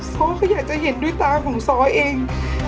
ซ้อก็อยากจะเห็นด้วยตาของซอเอง